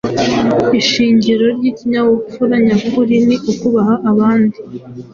Ishingiro ry’ikinyabupfura nyakuri ni ukubaha abandi.